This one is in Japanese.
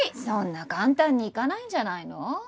そんな簡単にいかないんじゃないの？